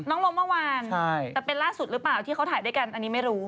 ลงเมื่อวานแต่เป็นล่าสุดหรือเปล่าที่เขาถ่ายด้วยกันอันนี้ไม่รู้